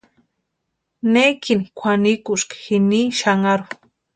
¿Nékini kwʼanikuski jini xanharhu?